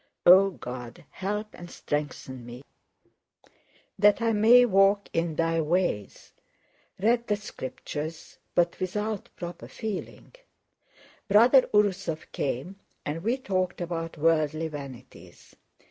O God, help and strengthen me that I may walk in Thy ways! Read the Scriptures, but without proper feeling. Brother Urúsov came and we talked about worldly vanities.